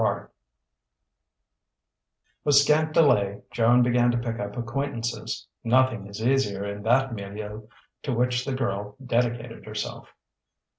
XXX With scant delay Joan began to pick up acquaintances: nothing is easier in that milieu to which the girl dedicated herself.